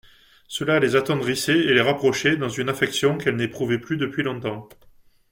Cela les attendrissait et les rapprochait, dans une affection qu'elles n'éprouvaient plus depuis longtemps.